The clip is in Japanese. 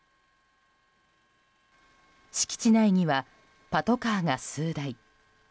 敷地内には、パトカーが数台。